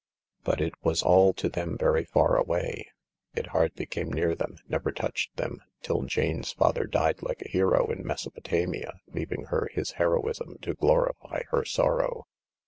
But it was all to them very far away ; it hardly came near them^ never touched them, till Jane's father died like a hero in Mesopotamia, leaving her his heroism to glorify her sorrow.